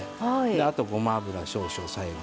あとごま油少々最後に。